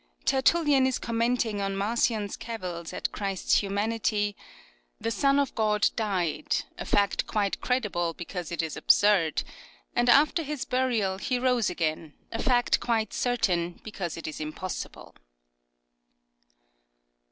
TertuUian is commenting on Marcion's cavils 268 CURIOSITIES OF at Christ's humanity :" The Son of God died, a fact quite credible because it is absurd; and after His burial He rose again, a fact quite certain befcause it is impossible."